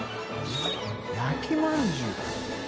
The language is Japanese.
焼きまんじゅう」